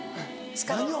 何を？